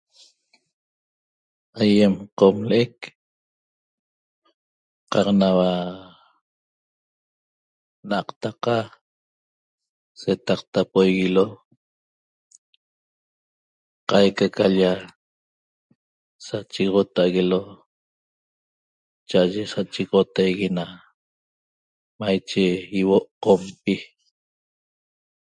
Aýem Qomle'c qaq naua n'aqtaqa setaqtapoiguilo qaiaca ca l-lla sachegoxota'aguelo cha'aye sachegoxotaigui na maiche ýihuo' Qompi